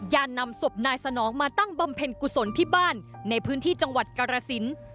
นำศพนายสนองมาตั้งบำเพ็ญกุศลที่บ้านในพื้นที่จังหวัดกรสิน